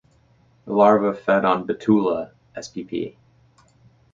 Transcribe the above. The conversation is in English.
The larvae feed on "Betula" spp.